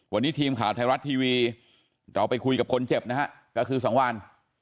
วันนี้ทีมข่าวไทยรัฐทีวีเราไปคุยกับคนเจ็บนะฮะก็คือสังวาน